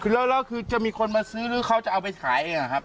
คือแล้วคือจะมีคนมาซื้อหรือเขาจะเอาไปขายเองนะครับ